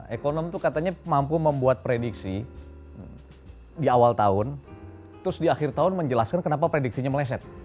ekonom itu katanya mampu membuat prediksi di awal tahun terus di akhir tahun menjelaskan kenapa prediksinya meleset